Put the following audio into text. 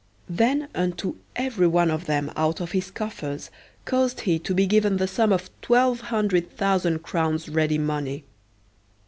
Then unto every one of them out of his coffers caused he to be given the sum of twelve hundred thousand crowns ready money.